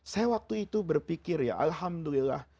saya waktu itu berpikir ya alhamdulillah